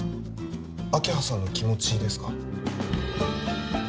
明葉さんの気持ちですか？